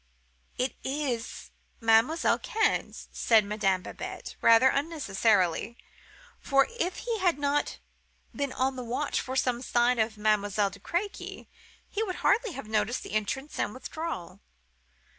'It is Mademoiselle Cannes,' said Madame Babette, rather unnecessarily; for, if he had not been on the watch for some sign of Mademoiselle de Crequy, he would hardly have noticed the entrance and withdrawal.